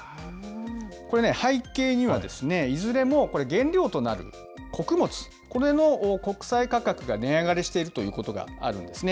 これ、背景にはいずれもこれ、原料となる穀物、これの国際価格が値上がりしているということがあるんですね。